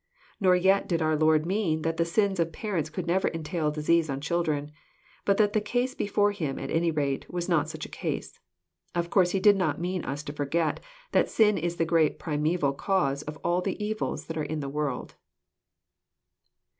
Nor yet did our Lord mean that the sins of parents could never entail disease on children; but that the case before Him, at any rate, was not such a case. Of course he did not mean us to forget that sin is the great primeval cause of all the evils that are in the world.